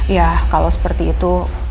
ya kalo seperti itu